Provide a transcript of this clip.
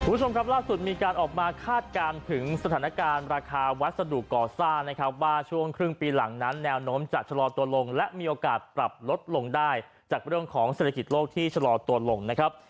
คุณผู้ชมครับล่าสุดมีการออกมาคาดการณ์ถึงสถานการณ์ราคาวัสดุก่อสร้างนะครับว่าช่วงครึ่งปีหลังนั้นแนวโน้มจะชะลอตัวลงและมีโอกาสปรับลดลงได้จากเรื่องของเศรษฐกิจโลกที่ชะลอตัวลงนะครับ